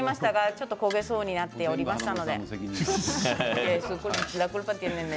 ちょっと、焦げそうになっておりましたので。